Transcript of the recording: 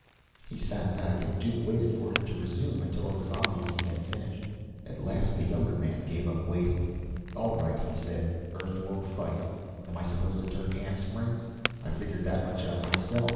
He sat back, and Duke waited for him to resume, until it was obvious he had finished. At last, the younger man gave up waiting. "All right," he said. "Earth won't fight! Am I supposed to turn handsprings? I figured that much out myself.